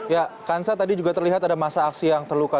ya kansa tadi juga terlihat ada masa aksi yang terluka